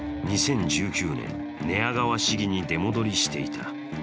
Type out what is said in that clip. ２０１９年、寝屋川市議に出戻りしていた。